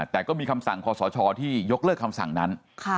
แต่ก็มีคำสั่งคอสชที่ยกเลิกคำสั่งนั้น